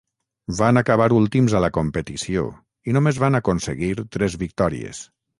Van acabar últims a la competició, i només van aconseguir tres victòries.